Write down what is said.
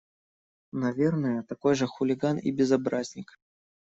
Наверное, такой же хулиган и безобразник.